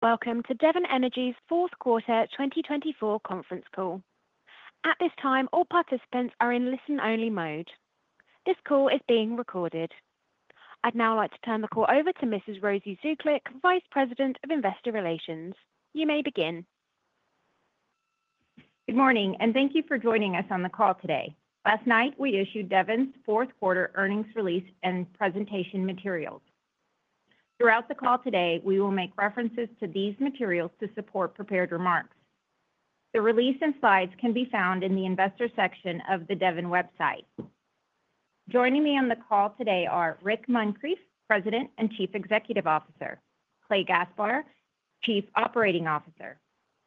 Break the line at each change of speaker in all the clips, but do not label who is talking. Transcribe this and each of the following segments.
Welcome to Devon Energy's fourth quarter 2024 conference call. At this time, all participants are in listen-only mode. This call is being recorded. I'd now like to turn the call over to Mrs. Rosy Zuklic, Vice President of Investor Relations. You may begin.
Good morning, and thank you for joining us on the call today. Last night, we issued Devon's fourth quarter earnings release and presentation materials. Throughout the call today, we will make references to these materials to support prepared remarks. The release and slides can be found in the investor section of the Devon website. Joining me on the call today are Rick Muncrief, President and Chief Executive Officer, Clay Gaspar, Chief Operating Officer,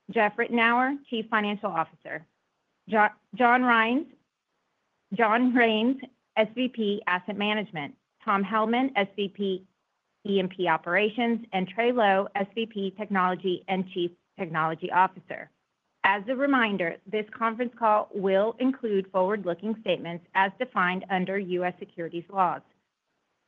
Jeff Ritenour, Chief Financial Officer, John Raines, SVP Asset Management, Tom Hellman, SVP E&P Operations, and Trey Lowe, SVP Technology and Chief Technology Officer. As a reminder, this conference call will include forward-looking statements as defined under U.S. securities laws.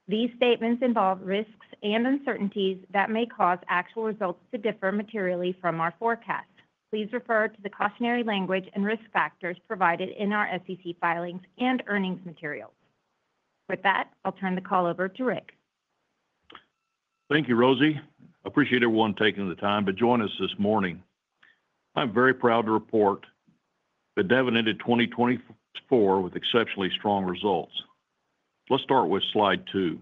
These statements involve risks and uncertainties that may cause actual results to differ materially from our forecast. Please refer to the cautionary language and risk factors provided in our SEC filings and earnings materials. With that, I'll turn the call over to Rick.
Thank you, Rosy. I appreciate everyone taking the time to join us this morning. I'm very proud to report that Devon ended 2024 with exceptionally strong results. Let's start with slide two.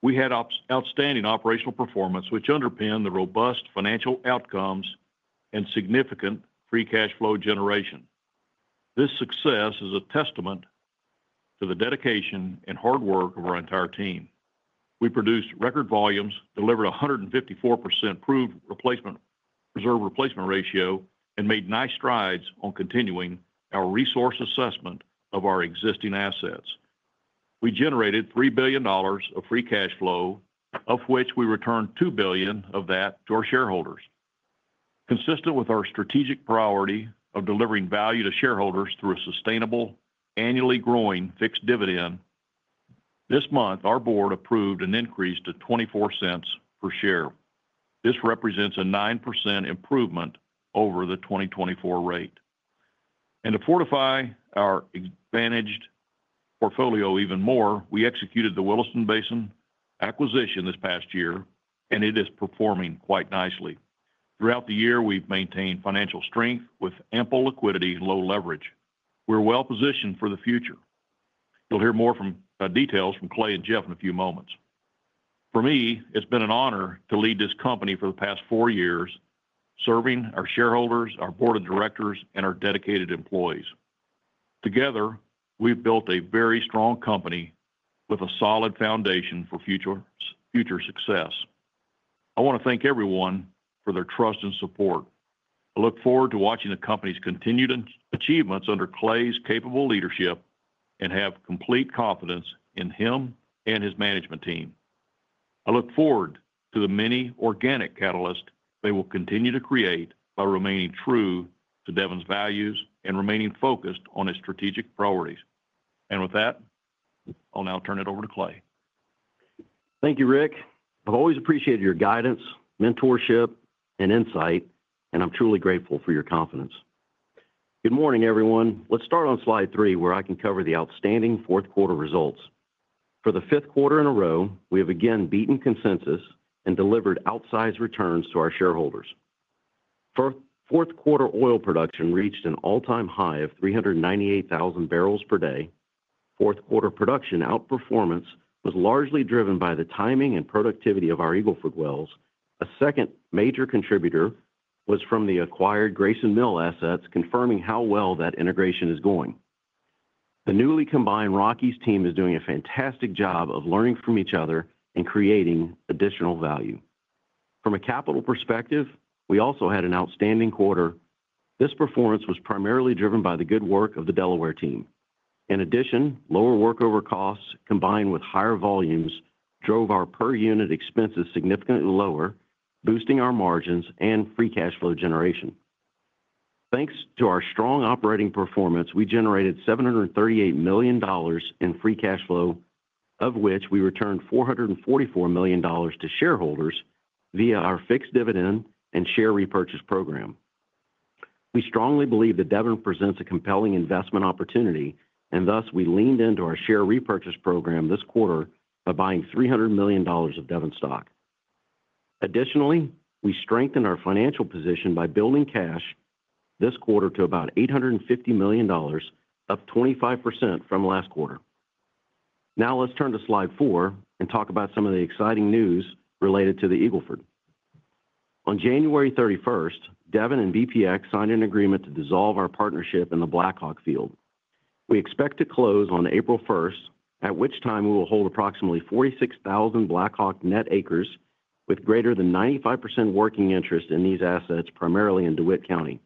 We had outstanding operational performance, which underpinned the robust financial outcomes and significant free cash flow generation. This success is a testament to the dedication and hard work of our entire team. We produced record volumes, delivered a 154% proved reserve replacement ratio, and made nice strides on continuing our resource assessment of our existing assets. We generated $3 billion of free cash flow, of which we returned $2 billion of that to our shareholders. Consistent with our strategic priority of delivering value to shareholders through a sustainable, annually growing fixed dividend, this month, our board approved an increase to $0.24 per share. This represents a 9% improvement over the 2024 rate. And to fortify our managed portfolio even more, we executed the Williston Basin acquisition this past year, and it is performing quite nicely. Throughout the year, we've maintained financial strength with ample liquidity and low leverage. We're well positioned for the future. You'll hear more details from Clay and Jeff in a few moments. For me, it's been an honor to lead this company for the past four years, serving our shareholders, our board of directors, and our dedicated employees. Together, we've built a very strong company with a solid foundation for future success. I want to thank everyone for their trust and support. I look forward to watching the company's continued achievements under Clay's capable leadership and have complete confidence in him and his management team. I look forward to the many organic catalysts they will continue to create by remaining true to Devon's values and remaining focused on its strategic priorities, and with that, I'll now turn it over to Clay.
Thank you, Rick. I've always appreciated your guidance, mentorship, and insight, and I'm truly grateful for your confidence. Good morning, everyone. Let's start on slide three, where I can cover the outstanding fourth quarter results. For the fifth quarter in a row, we have again beaten consensus and delivered outsized returns to our shareholders. Fourth quarter oil production reached an all-time high of 398,000 barrels per day. Fourth quarter production outperformance was largely driven by the timing and productivity of our Eagle Ford wells. A second major contributor was from the acquired Grayson Mill assets, confirming how well that integration is going. The newly combined Rockies team is doing a fantastic job of learning from each other and creating additional value. From a capital perspective, we also had an outstanding quarter. This performance was primarily driven by the good work of the Delaware team. In addition, lower workover costs combined with higher volumes drove our per unit expenses significantly lower, boosting our margins and free cash flow generation. Thanks to our strong operating performance, we generated $738 million in free cash flow, of which we returned $444 million to shareholders via our fixed dividend and share repurchase program. We strongly believe that Devon presents a compelling investment opportunity, and thus we leaned into our share repurchase program this quarter by buying $300 million of Devon stock. Additionally, we strengthened our financial position by building cash this quarter to about $850 million, up 25% from last quarter. Now let's turn to slide four and talk about some of the exciting news related to the Eagle Ford. On January 31st, Devon and BPX signed an agreement to dissolve our partnership in the Blackhawk Field. We expect to close on April 1st, at which time we will hold approximately 46,000 Blackhawk net acres with greater than 95% working interest in these assets, primarily in DeWitt County.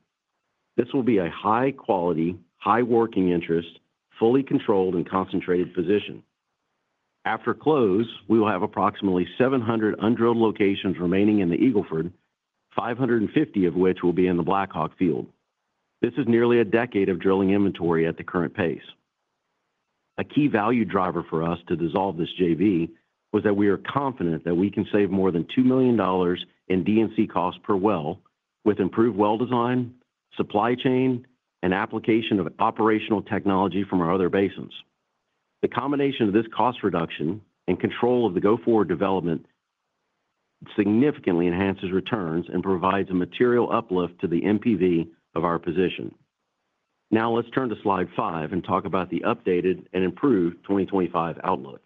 This will be a high-quality, high-working interest, fully controlled, and concentrated position. After close, we will have approximately 700 un-drilled locations remaining in the Eagle Ford, 550 of which will be in the Blackhawk field. This is nearly a decade of drilling inventory at the current pace. A key value driver for us to dissolve this JV was that we are confident that we can save more than $2 million in D&C costs per well with improved well design, supply chain, and application of operational technology from our other basins. The combination of this cost reduction and control of the go-forward development significantly enhances returns and provides a material uplift to the NPV of our position. Now let's turn to slide five and talk about the updated and improved 2025 outlook.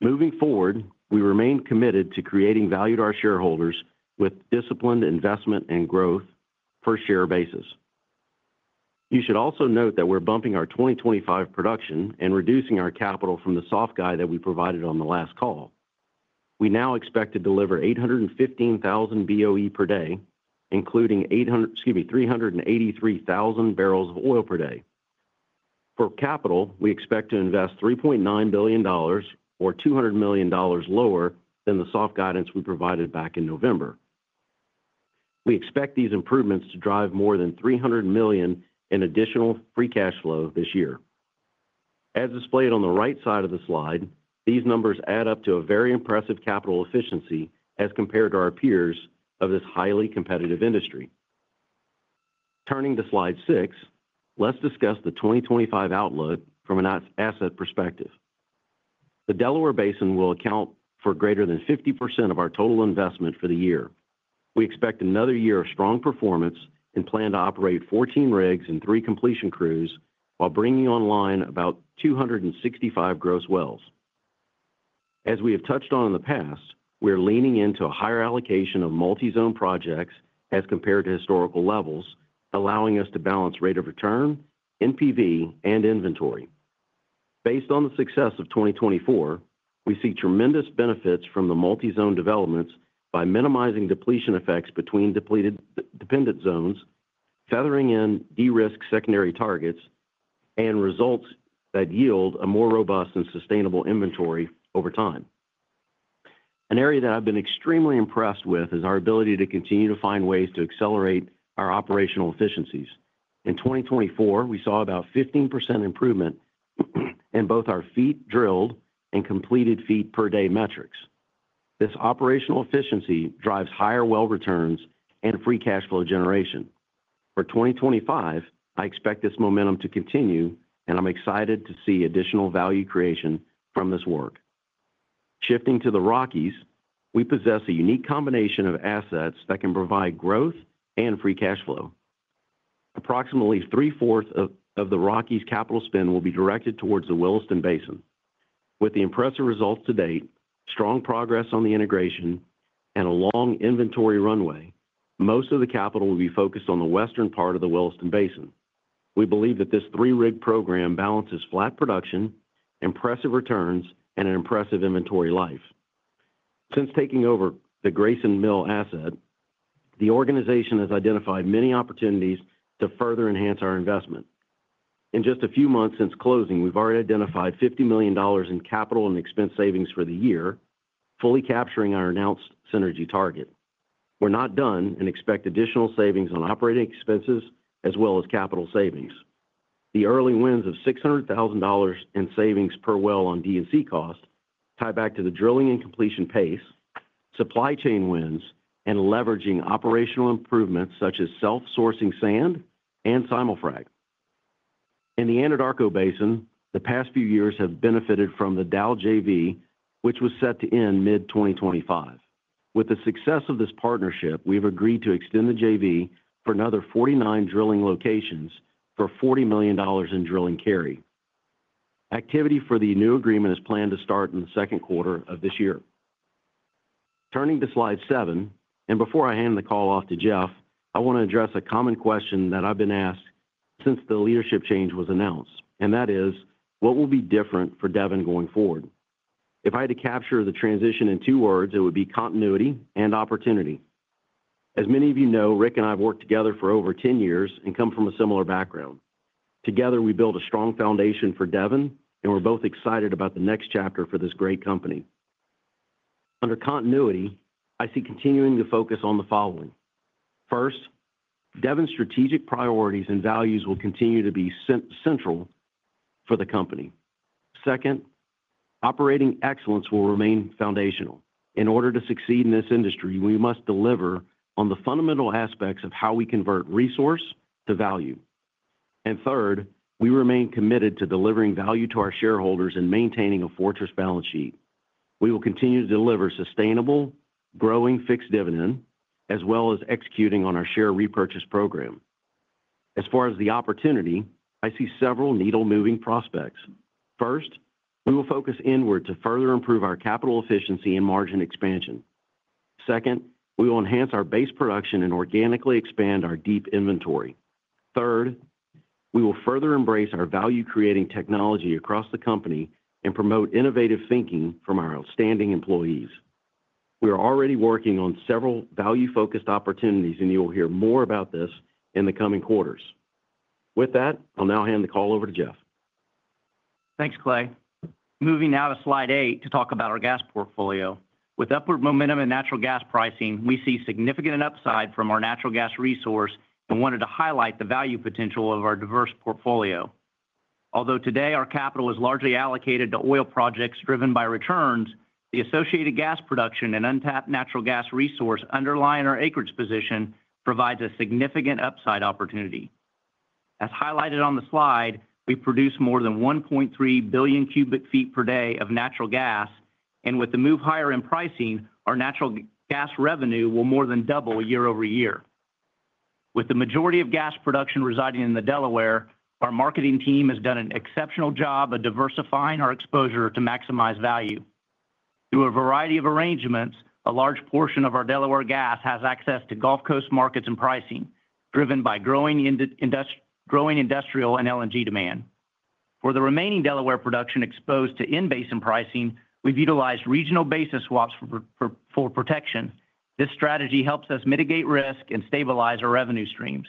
Moving forward, we remain committed to creating value to our shareholders with disciplined investment and growth per share basis. You should also note that we're bumping our 2025 production and reducing our capital from the soft guide that we provided on the last call. We now expect to deliver 815,000 BOE per day, including 383,000 barrels of oil per day. For capital, we expect to invest $3.9 billion, or $200 million lower than the soft guidance we provided back in November. We expect these improvements to drive more than $300 million in additional free cash flow this year. As displayed on the right side of the slide, these numbers add up to a very impressive capital efficiency as compared to our peers of this highly competitive industry. Turning to slide six, let's discuss the 2025 outlook from an asset perspective. The Delaware Basin will account for greater than 50% of our total investment for the year. We expect another year of strong performance and plan to operate 14 rigs and three completion crews while bringing online about 265 gross wells. As we have touched on in the past, we are leaning into a higher allocation of multi-zone projects as compared to historical levels, allowing us to balance rate of return, NPV, and inventory. Based on the success of 2024, we see tremendous benefits from the multi-zone developments by minimizing depletion effects between dependent zones, feathering in de-risked secondary targets, and results that yield a more robust and sustainable inventory over time. An area that I've been extremely impressed with is our ability to continue to find ways to accelerate our operational efficiencies. In 2024, we saw about 15% improvement in both our feet drilled and completed feet per day metrics. This operational efficiency drives higher well returns and free cash flow generation. For 2025, I expect this momentum to continue, and I'm excited to see additional value creation from this work. Shifting to the Rockies, we possess a unique combination of assets that can provide growth and free cash flow. Approximately 3/4 of the Rockies' capital spend will be directed towards the Williston Basin. With the impressive results to date, strong progress on the integration, and a long inventory runway, most of the capital will be focused on the western part of the Williston Basin. We believe that this three-rig program balances flat production, impressive returns, and an impressive inventory life. Since taking over the Grayson Mill asset, the organization has identified many opportunities to further enhance our investment. In just a few months since closing, we've already identified $50 million in capital and expense savings for the year, fully capturing our announced synergy target. We're not done and expect additional savings on operating expenses as well as capital savings. The early wins of $600,000 in savings per well on D&C cost tie back to the drilling and completion pace, supply chain wins, and leveraging operational improvements such as self-sourcing sand and simul-frac. In the Anadarko Basin, the past few years have benefited from the Dow JV, which was set to end mid-2025. With the success of this partnership, we have agreed to extend the JV for another 49 drilling locations for $40 million in drilling carry. Activity for the new agreement is planned to start in the second quarter of this year. Turning to slide seven, and before I hand the call off to Jeff, I want to address a common question that I've been asked since the leadership change was announced, and that is, what will be different for Devon going forward? If I had to capture the transition in two words, it would be continuity and opportunity. As many of you know, Rick and I have worked together for over 10 years and come from a similar background. Together, we built a strong foundation for Devon, and we're both excited about the next chapter for this great company. Under continuity, I see continuing the focus on the following. First, Devon's strategic priorities and values will continue to be central for the company. Second, operating excellence will remain foundational. In order to succeed in this industry, we must deliver on the fundamental aspects of how we convert resource to value. Third, we remain committed to delivering value to our shareholders and maintaining a fortress balance sheet. We will continue to deliver sustainable, growing fixed dividend, as well as executing on our share repurchase program. As far as the opportunity, I see several needle-moving prospects. First, we will focus inward to further improve our capital efficiency and margin expansion. Second, we will enhance our base production and organically expand our deep inventory. Third, we will further embrace our value-creating technology across the company and promote innovative thinking from our outstanding employees. We are already working on several value-focused opportunities, and you will hear more about this in the coming quarters. With that, I'll now hand the call over to Jeff.
Thanks, Clay. Moving now to slide eight to talk about our gas portfolio. With upward momentum in natural gas pricing, we see significant upside from our natural gas resource and wanted to highlight the value potential of our diverse portfolio. Although today our capital is largely allocated to oil projects driven by returns, the associated gas production and untapped natural gas resource underlying our acreage position provides a significant upside opportunity. As highlighted on the slide, we produce more than 1.3 billion cu ft per day of natural gas, and with the move higher in pricing, our natural gas revenue will more than double year over year. With the majority of gas production residing in the Delaware, our marketing team has done an exceptional job of diversifying our exposure to maximize value. Through a variety of arrangements, a large portion of our Delaware gas has access to Gulf Coast markets and pricing, driven by growing industrial and LNG demand. For the remaining Delaware production exposed to in-basin pricing, we've utilized regional basin swaps for protection. This strategy helps us mitigate risk and stabilize our revenue streams.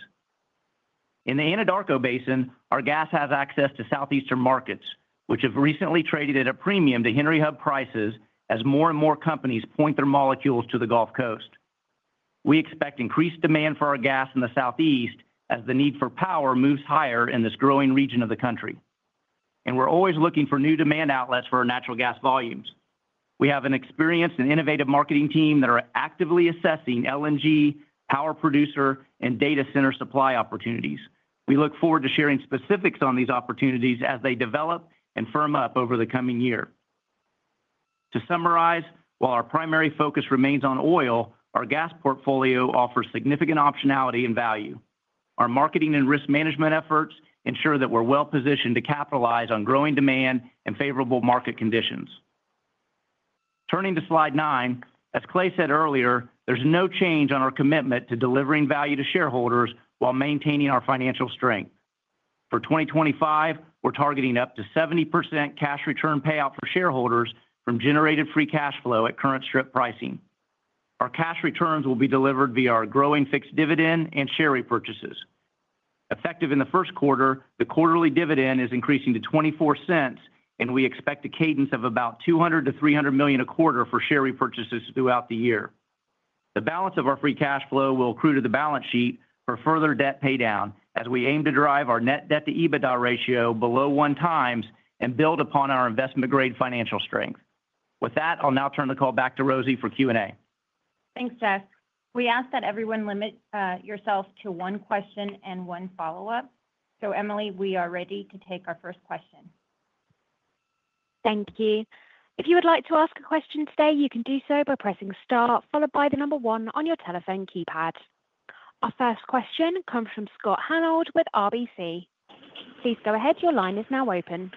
In the Anadarko Basin, our gas has access to southeastern markets, which have recently traded at a premium to Henry Hub prices as more and more companies point their molecules to the Gulf Coast. We expect increased demand for our gas in the southeast as the need for power moves higher in this growing region of the country, and we're always looking for new demand outlets for our natural gas volumes. We have an experienced and innovative marketing team that are actively assessing LNG, power producer, and data center supply opportunities. We look forward to sharing specifics on these opportunities as they develop and firm up over the coming year. To summarize, while our primary focus remains on oil, our gas portfolio offers significant optionality in value. Our marketing and risk management efforts ensure that we're well positioned to capitalize on growing demand and favorable market conditions. Turning to slide nine, as Clay said earlier, there's no change on our commitment to delivering value to shareholders while maintaining our financial strength. For 2025, we're targeting up to 70% cash return payout for shareholders from generated free cash flow at current strip pricing. Our cash returns will be delivered via our growing fixed dividend and share repurchases. Effective in the first quarter, the quarterly dividend is increasing to $0.24, and we expect a cadence of about $200 million-$300 million a quarter for share repurchases throughout the year. The balance of our free cash flow will accrue to the balance sheet for further debt paydown as we aim to drive our net debt to EBITDA ratio below one times and build upon our investment-grade financial strength. With that, I'll now turn the call back to Rosy for Q&A.
Thanks, Jeff. We ask that everyone limit yourself to one question and one follow-up. So, Emily, we are ready to take our first question.
Thank you. If you would like to ask a question today, you can do so by pressing star, followed by the number one on your telephone keypad. Our first question comes from Scott Hanold with RBC. Please go ahead. Your line is now open.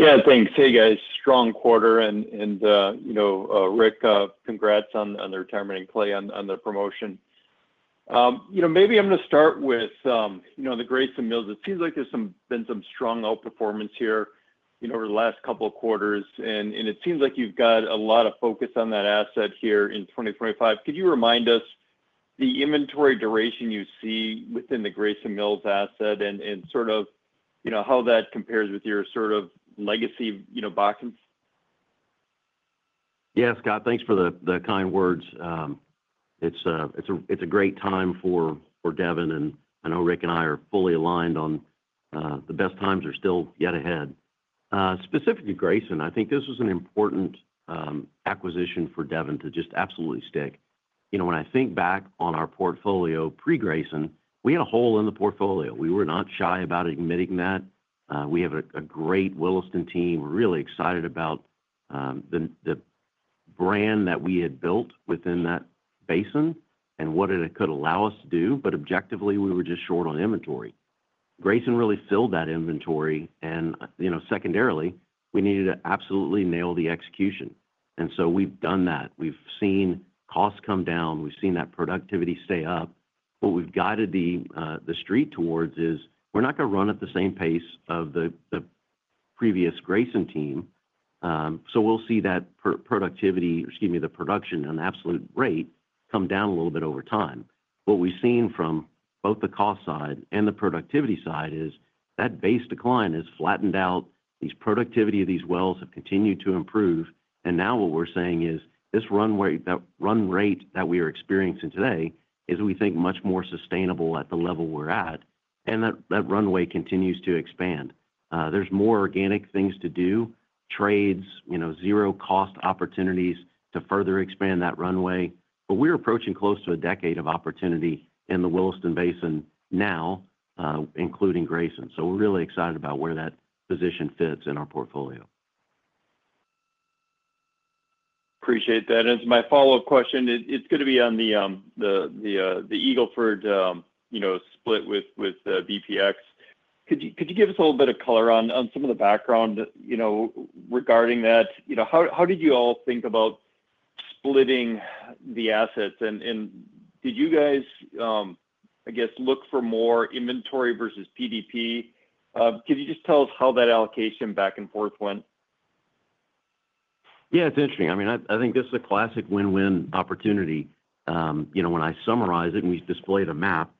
Yeah, thanks. Hey, guys. Strong quarter. And Rick, congrats on the retirement and Clay on the promotion. Maybe I'm going to start with the Grayson Mill. It seems like there's been some strong outperformance here over the last couple of quarters, and it seems like you've got a lot of focus on that asset here in 2025. Could you remind us the inventory duration you see within the Grayson Mill asset and sort of how that compares with your sort of legacy [BPX]?
Yes, Scott, thanks for the kind words. It's a great time for Devon, and I know Rick and I are fully aligned on the best times are still yet ahead. Specifically, Grayson, I think this was an important acquisition for Devon to just absolutely stick. When I think back on our portfolio pre-Grayson, we had a hole in the portfolio. We were not shy about admitting that. We have a great Williston team. We're really excited about the brand that we had built within that basin and what it could allow us to do, but objectively, we were just short on inventory. Grayson really filled that inventory, and secondarily, we needed to absolutely nail the execution. And so we've done that. We've seen costs come down. We've seen that productivity stay up. What we've guided the street towards is we're not going to run at the same pace of the previous Grayson team. So we'll see that productivity, excuse me, the production and absolute rate come down a little bit over time. What we've seen from both the cost side and the productivity side is that base decline has flattened out. The productivity of these wells has continued to improve. And now what we're saying is this run rate that we are experiencing today is, we think, much more sustainable at the level we're at, and that runway continues to expand. There's more organic things to do, trades, zero-cost opportunities to further expand that runway. But we're approaching close to a decade of opportunity in the Williston Basin now, including Grayson. So we're really excited about where that position fits in our portfolio.
Appreciate that. And as my follow-up question, it's going to be on the Eagle Ford split with BPX. Could you give us a little bit of color on some of the background regarding that? How did you all think about splitting the assets? And did you guys, I guess, look for more inventory versus PDP? Could you just tell us how that allocation back and forth went?
Yeah, it's interesting. I mean, I think this is a classic win-win opportunity. When I summarize it and we've displayed a map,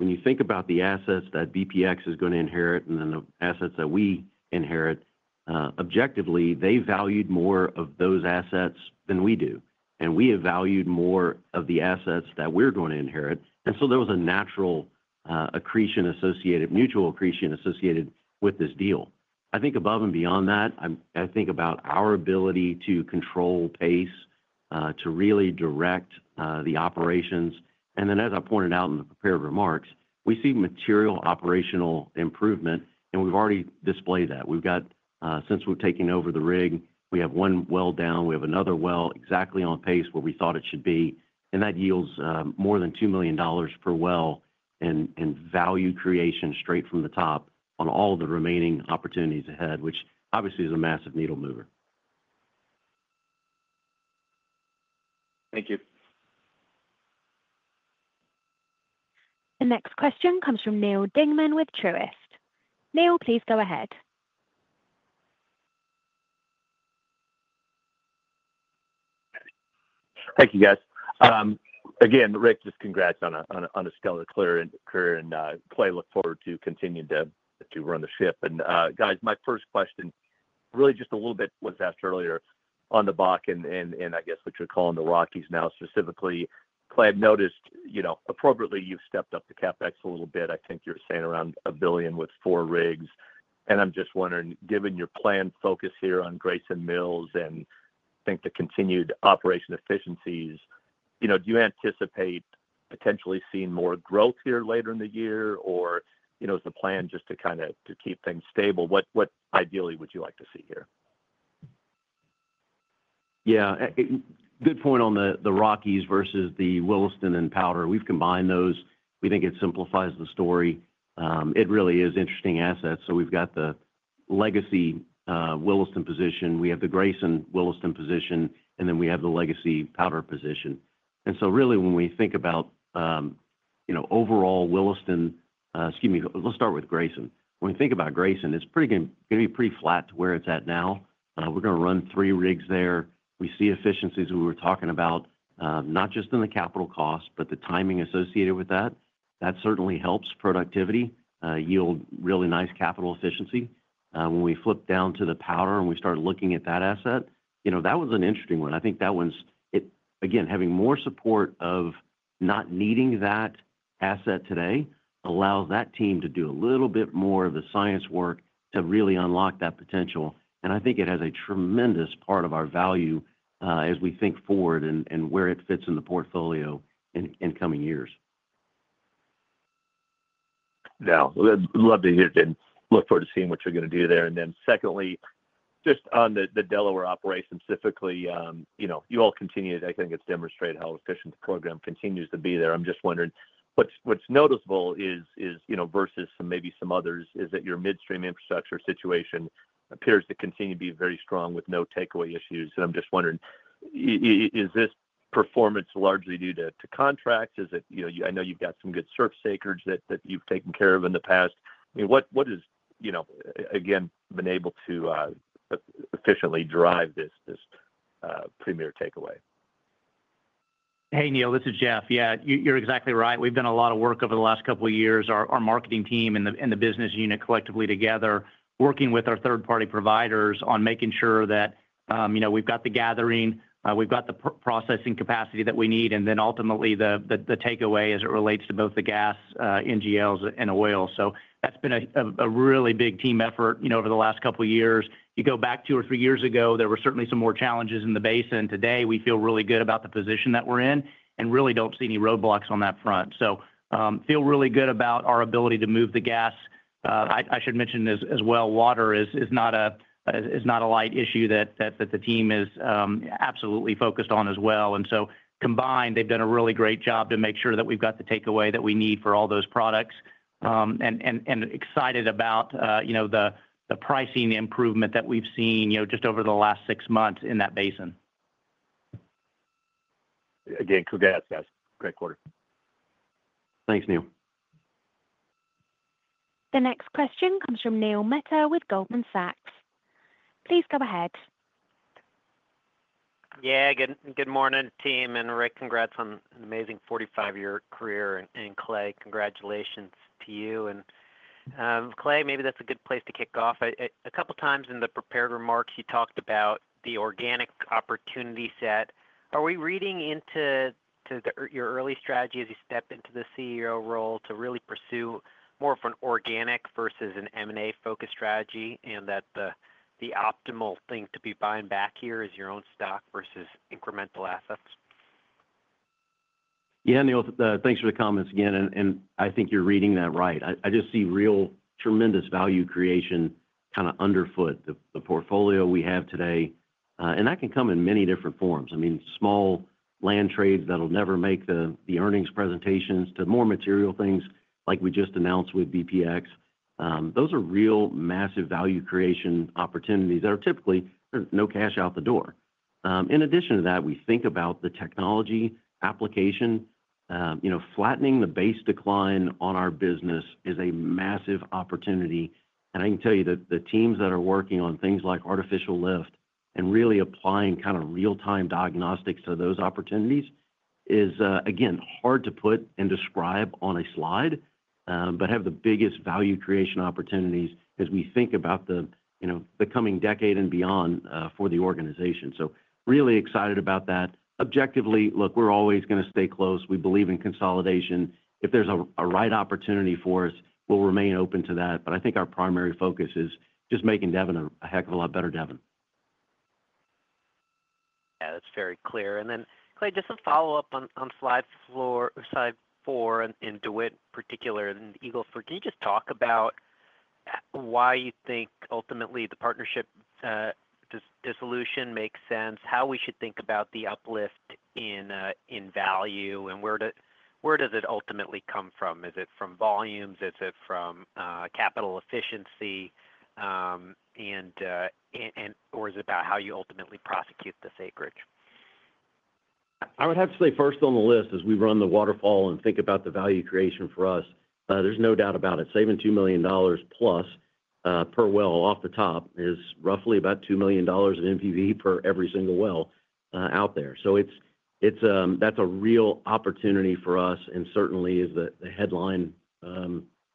when you think about the assets that BPX is going to inherit and then the assets that we inherit, objectively, they valued more of those assets than we do. And we have valued more of the assets that we're going to inherit. And so there was a natural accretion associated, mutual accretion associated with this deal. I think above and beyond that, I think about our ability to control pace, to really direct the operations. And then, as I pointed out in the prepared remarks, we see material operational improvement, and we've already displayed that. Since we've taken over the rig, we have one well down. We have another well exactly on pace where we thought it should be. And that yields more than $2 million per well in value creation straight from the top on all the remaining opportunities ahead, which obviously is a massive needle mover.
Thank you.
The next question comes from Neal Dingmann with Truist. Neal, please go ahead.
Thank you, guys. Again, Rick, just congrats on a stellar career and Clay. Look forward to continuing to run the ship. And guys, my first question, really just a little bit was asked earlier on the BPX and I guess what you're calling the Rockies now specifically. Clay, I've noticed appropriately, you've stepped up the CapEx a little bit. I think you're saying around $1 billion with four rigs. And I'm just wondering, given your planned focus here on Grayson Mill and I think the continued operation efficiencies, do you anticipate potentially seeing more growth here later in the year? Or is the plan just to kind of keep things stable? What ideally would you like to see here?
Yeah, good point on the Rockies versus the Williston and Powder. We've combined those. We think it simplifies the story. It really is interesting assets. So we've got the legacy Williston position. We have the Grayson, Williston position, and then we have the legacy Powder position. And so really, when we think about overall Williston excuse me, let's start with Grayson. When we think about Grayson, it's going to be pretty flat to where it's at now. We're going to run three rigs there. We see efficiencies we were talking about, not just in the capital cost, but the timing associated with that. That certainly helps productivity, yield really nice capital efficiency. When we flip down to the Powder and we start looking at that asset, that was an interesting one. I think that one's, again, having more support of not needing that asset today allows that team to do a little bit more of the science work to really unlock that potential, and I think it has a tremendous part of our value as we think forward and where it fits in the portfolio in coming years.
Now, we'd love to hear it and look forward to seeing what you're going to do there. And then secondly, just on the Delaware operation specifically, you all continued, I think it's demonstrated how efficient the program continues to be there. I'm just wondering, what's noticeable versus maybe some others is that your midstream infrastructure situation appears to continue to be very strong with no takeaway issues. And I'm just wondering, is this performance largely due to contracts? I know you've got some good surface acreage that you've taken care of in the past. What has, again, been able to efficiently drive this premier takeaway?
Hey, Neal, this is Jeff. Yeah, you're exactly right. We've done a lot of work over the last couple of years. Our marketing team and the business unit collectively together, working with our third-party providers on making sure that we've got the gathering, we've got the processing capacity that we need, and then ultimately the takeaway as it relates to both the gas, NGLs, and oil. So that's been a really big team effort over the last couple of years. You go back two or three years ago, there were certainly some more challenges in the basin. Today, we feel really good about the position that we're in and really don't see any roadblocks on that front. So feel really good about our ability to move the gas. I should mention as well, water is not a light issue that the team is absolutely focused on as well. So combined, they've done a really great job to make sure that we've got the takeaway that we need for all those products and excited about the pricing improvement that we've seen just over the last six months in that basin.
Again, congrats, guys. Great quarter.
Thanks, Neal.
The next question comes from Neil Mehta with Goldman Sachs. Please go ahead.
Yeah, good morning, team. And Rick, congrats on an amazing 45-year career. And Clay, congratulations to you. And Clay, maybe that's a good place to kick off. A couple of times in the prepared remarks, you talked about the organic opportunity set. Are we reading into your early strategy as you step into the CEO role to really pursue more of an organic versus an M&A-focused strategy and that the optimal thing to be buying back here is your own stock versus incremental assets?
Yeah, Neil, thanks for the comments again. And I think you're reading that right. I just see real tremendous value creation kind of underfoot the portfolio we have today. And that can come in many different forms. I mean, small land trades that'll never make the earnings presentations to more material things like we just announced with BPX. Those are real massive value creation opportunities that are typically no cash out the door. In addition to that, we think about the technology application. Flattening the base decline on our business is a massive opportunity. And I can tell you that the teams that are working on things like artificial lift and really applying kind of real-time diagnostics to those opportunities is, again, hard to put and describe on a slide, but have the biggest value creation opportunities as we think about the coming decade and beyond for the organization. Really excited about that. Objectively, look, we're always going to stay close. We believe in consolidation. If there's a right opportunity for us, we'll remain open to that. But I think our primary focus is just making Devon a heck of a lot better Devon.
Yeah, that's very clear. And then, Clay, just to follow up on slide four and DeWitt in particular and Eagle Ford, can you just talk about why you think ultimately the partnership dissolution makes sense, how we should think about the uplift in value, and where does it ultimately come from? Is it from volumes? Is it from capital efficiency? Or is it about how you ultimately prosecute the acreage?
I would have to say first on the list, as we run the waterfall and think about the value creation for us, there's no doubt about it. Saving $2 million plus per well off the top is roughly about $2 million in NPV for every single well out there. So that's a real opportunity for us and certainly is the headline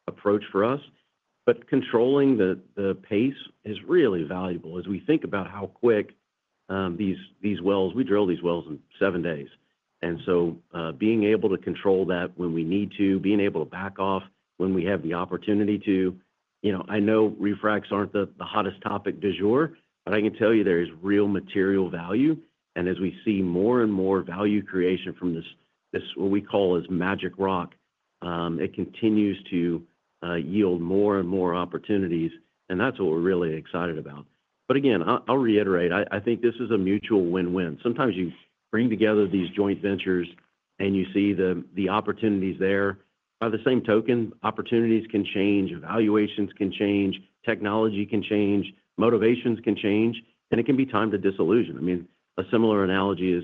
approach for us. But controlling the pace is really valuable as we think about how quick these wells we drill in seven days. And so being able to control that when we need to, being able to back off when we have the opportunity to. I know refracs aren't the hottest topic du jour, but I can tell you there is real material value. And as we see more and more value creation from this, what we call is magic rock, it continues to yield more and more opportunities. And that's what we're really excited about. But again, I'll reiterate, I think this is a mutual win-win. Sometimes you bring together these joint ventures and you see the opportunities there. By the same token, opportunities can change. Evaluations can change. Technology can change. Motivations can change. And it can be time to dissolution. I mean, a similar analogy is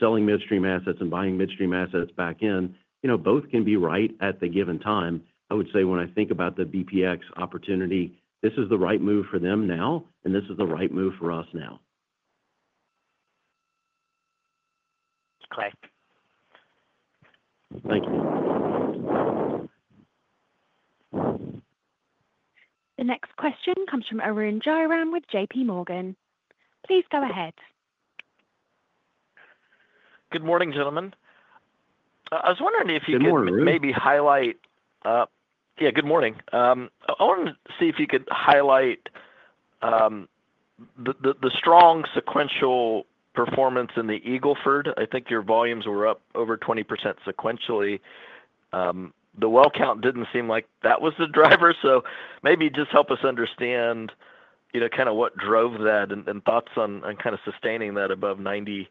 selling midstream assets and buying midstream assets back in. Both can be right at the given time. I would say when I think about the BPX opportunity, this is the right move for them now, and this is the right move for us now.
Clay.
Thank you.
The next question comes from Arun Jayaram with JPMorgan. Please go ahead.
Good morning, gentlemen. I was wondering if you could maybe highlight.
Good morning.
Yeah, good morning. I wanted to see if you could highlight the strong sequential performance in the Eagle Ford. I think your volumes were up over 20% sequentially. The well count didn't seem like that was the driver. So maybe just help us understand kind of what drove that and thoughts on kind of sustaining that above 90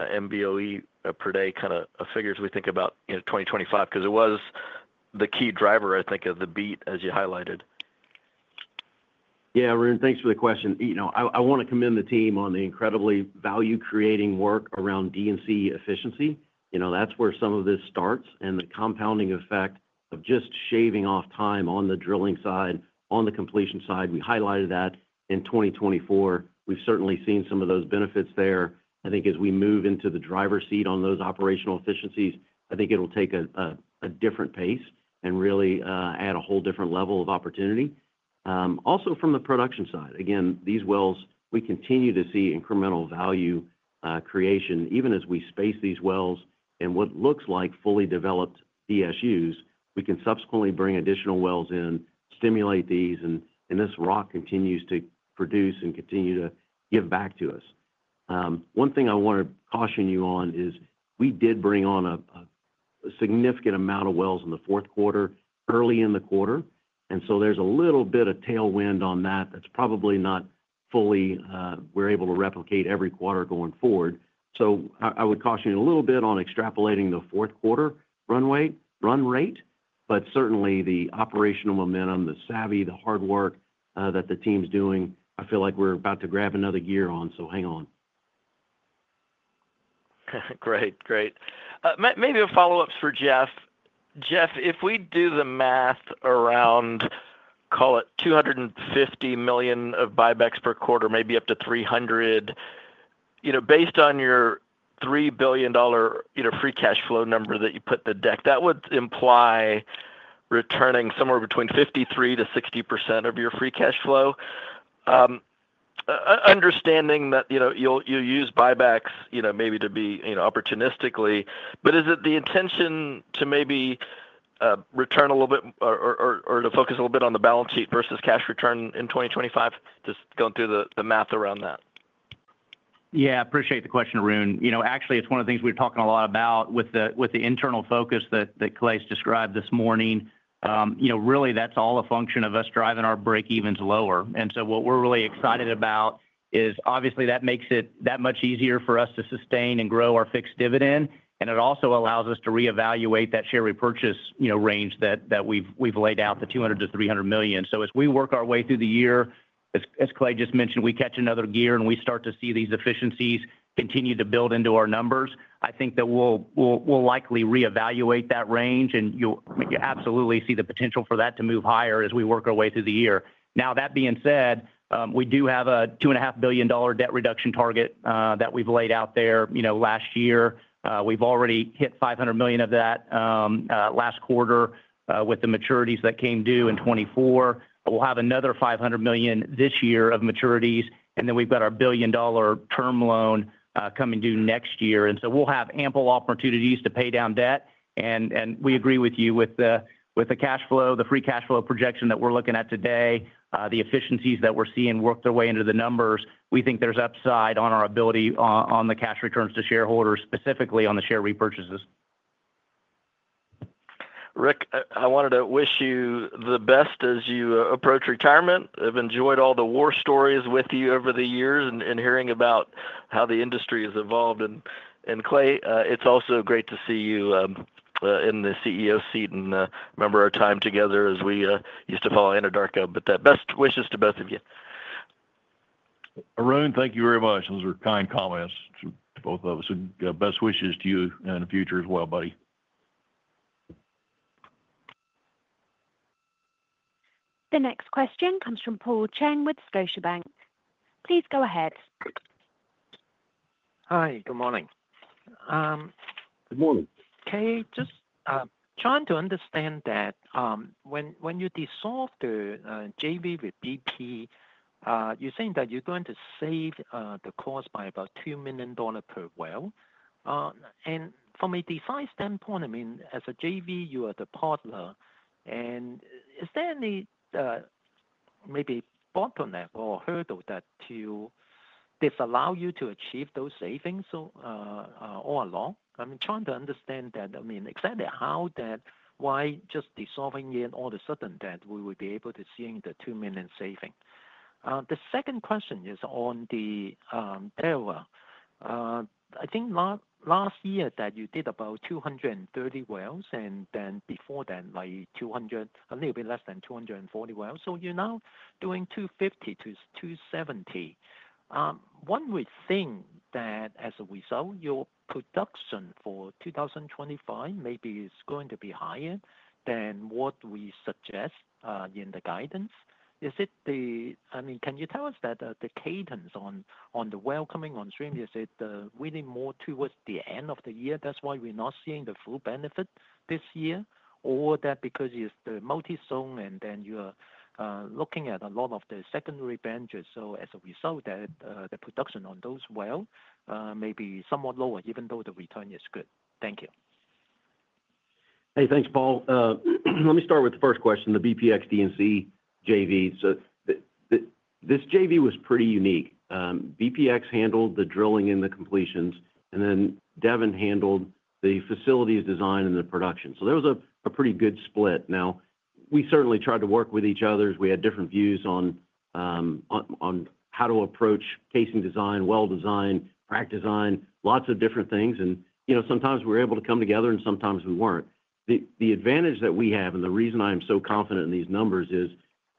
MBOE per day kind of figures we think about 2025 because it was the key driver, I think, of the beat as you highlighted.
Yeah, Arun, thanks for the question. I want to commend the team on the incredibly value-creating work around D&C efficiency. That's where some of this starts and the compounding effect of just shaving off time on the drilling side, on the completion side, we highlighted that in 2024. We've certainly seen some of those benefits there. I think as we move into the driver's seat on those operational efficiencies, I think it'll take a different pace and really add a whole different level of opportunity. Also, from the production side, again, these wells, we continue to see incremental value creation even as we space these wells in what looks like fully developed DSUs. We can subsequently bring additional wells in, stimulate these, and this rock continues to produce and continue to give back to us. One thing I want to caution you on is we did bring on a significant amount of wells in the fourth quarter, early in the quarter, and so there's a little bit of tailwind on that that's probably not fully, we're able to replicate every quarter going forward. I would caution you a little bit on extrapolating the fourth quarter run rate, but certainly the operational momentum, the savvy, the hard work that the team's doing. I feel like we're about to grab another gear on, so hang on.
Great, great. Maybe a follow-up for Jeff. Jeff, if we do the math around, call it $250 million of buybacks per quarter, maybe up to $300 million, based on your $3 billion free cash flow number that you put in the deck, that would imply returning somewhere between 53%-60% of your free cash flow. Understanding that you'll use buybacks maybe to be opportunistically, but is it the intention to maybe return a little bit or to focus a little bit on the balance sheet versus cash return in 2025? Just going through the math around that.
Yeah, I appreciate the question, Arun. Actually, it's one of the things we're talking a lot about with the internal focus that Clay's described this morning. Really, that's all a function of us driving our break-evens lower. And so what we're really excited about is obviously that makes it that much easier for us to sustain and grow our fixed dividend. And it also allows us to reevaluate that share repurchase range that we've laid out, the $200 million-$300 million. So as we work our way through the year, as Clay just mentioned, we catch another gear and we start to see these efficiencies continue to build into our numbers. I think that we'll likely reevaluate that range, and you'll absolutely see the potential for that to move higher as we work our way through the year. Now, that being said, we do have a $2.5 billion debt reduction target that we've laid out there last year. We've already hit 500 million of that last quarter with the maturities that came due in 2024. We'll have another 500 million this year of maturities. And then we've got our billion-dollar term loan coming due next year. And so we'll have ample opportunities to pay down debt. And we agree with you with the cash flow, the free cash flow projection that we're looking at today, the efficiencies that we're seeing work their way into the numbers. We think there's upside on our ability on the cash returns to shareholders, specifically on the share repurchases.
Rick, I wanted to wish you the best as you approach retirement. I've enjoyed all the war stories with you over the years and hearing about how the industry has evolved, and Clay, it's also great to see you in the CEO seat and remember our time together as we used to follow Anadarko, but best wishes to both of you.
Arun, thank you very much. Those were kind comments to both of us. Best wishes to you in the future as well, buddy.
The next question comes from Paul Cheng with Scotiabank. Please go ahead.
Hi, good morning.
Good morning.
Okay, just trying to understand that when you dissolve the JV with BP, you're saying that you're going to save the cost by about $2 million per well. And from a design standpoint, I mean, as a JV, you are the partner. And is there any maybe bottleneck or hurdle that to disallow you to achieve those savings all along? I'm trying to understand that, I mean, exactly how that why just dissolving it all of a sudden that we would be able to see the $2 million saving. The second question is on the Delaware. I think last year that you did about 230 wells and then before that, a little bit less than 240 wells. So you're now doing 250 to 270. One would think that as a result, your production for 2025 maybe is going to be higher than what we suggest in the guidance. Is it, I mean, can you tell us about the cadence on the well coming on stream, is it really more towards the end of the year? That's why we're not seeing the full benefit this year or that because it's the multi-zone and then you're looking at a lot of the secondary benches. So as a result, the production on those wells may be somewhat lower even though the return is good. Thank you.
Hey, thanks, Paul. Let me start with the first question, the BPX D&C JV. So this JV was pretty unique. BPX handled the drilling and the completions, and then Devon handled the facilities design and the production. So there was a pretty good split. Now, we certainly tried to work with each other. We had different views on how to approach casing design, well design, frac design, lots of different things. And sometimes we were able to come together and sometimes we weren't. The advantage that we have and the reason I am so confident in these numbers is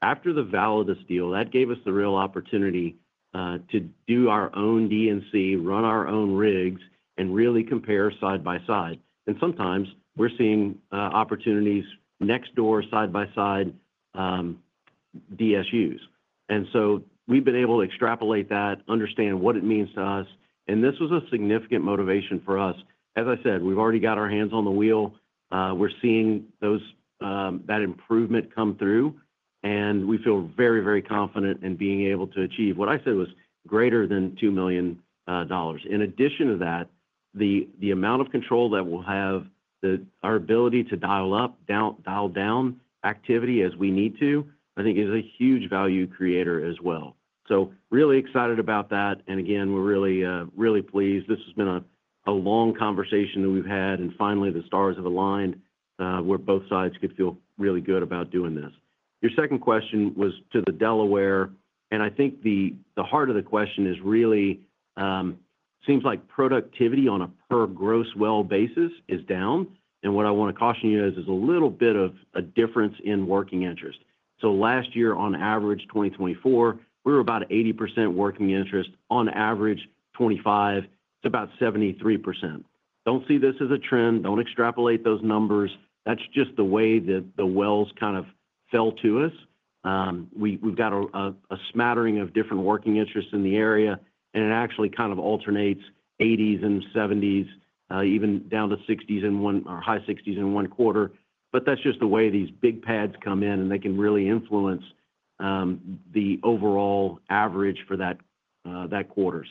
after the Validus deal, that gave us the real opportunity to do our own D&C, run our own rigs, and really compare side by side. And sometimes we're seeing opportunities next door side by side DSUs. And so we've been able to extrapolate that, understand what it means to us. And this was a significant motivation for us. As I said, we've already got our hands on the wheel. We're seeing that improvement come through. And we feel very, very confident in being able to achieve what I said was greater than $2 million. In addition to that, the amount of control that we'll have, our ability to dial up, dial down activity as we need to, I think is a huge value creator as well. So really excited about that. And again, we're really, really pleased. This has been a long conversation that we've had. And finally, the stars have aligned where both sides could feel really good about doing this. Your second question was to the Delaware. And I think the heart of the question is really seems like productivity on a per gross well basis is down. What I want to caution you is a little bit of a difference in working interest. Last year, on average, 2024, we were about 80% working interest. On average, 2025, it's about 73%. Don't see this as a trend. Don't extrapolate those numbers. That's just the way that the wells kind of fell to us. We've got a smattering of different working interests in the area. It actually kind of alternates 80s and 70s, even down to 60s or high 60s in one quarter. That's just the way these big pads come in and they can really influence the overall average for that quarter.